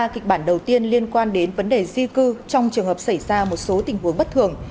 kịch bản đầu tiên liên quan đến vấn đề di cư trong trường hợp xảy ra một số tình huống bất thường